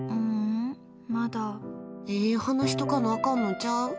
えー、話しとかなあかんのちゃう？